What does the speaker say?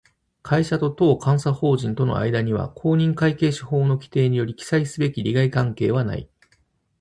会社と当監査法人との間には、公認会計士法の規定により記載すべき利害関係はない